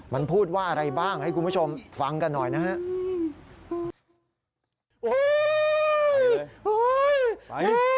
มันพูดว่าอะไรบ้างให้คุณผู้ชมฟังกันหน่อยนะฮะ